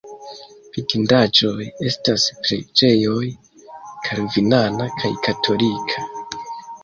Vidindaĵoj estas preĝejoj kalvinana kaj katolika.